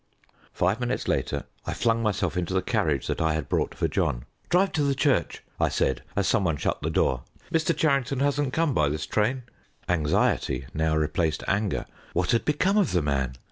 Five minutes later I flung myself into the carriage that I had brought for John. "Drive to the church!" I said, as some one shut the door. "Mr. Charrington hasn't come by this train." Anxiety now replaced anger. What had become of the man?